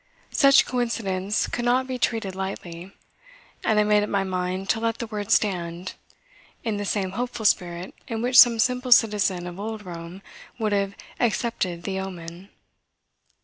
Such coincidence could not be treated lightly. And I made up my mind to let the word stand, in the same hopeful spirit in which some simple citizen of Old Rome would have "accepted the Omen."